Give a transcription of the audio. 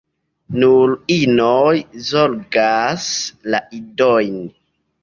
Nur inoj zorgas la idojn.